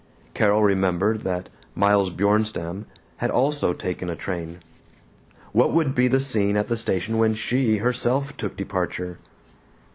Carol remembered that Miles Bjornstam had also taken a train. What would be the scene at the station when she herself took departure?